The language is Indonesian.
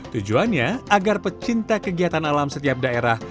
tujuannya agar pecinta kegiatan alam setiap daerah